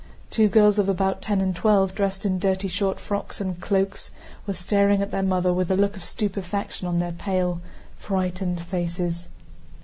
Two girls of about ten and twelve, dressed in dirty short frocks and cloaks, were staring at their mother with a look of stupefaction on their pale frightened faces.